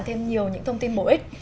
thêm nhiều những thông tin bổ ích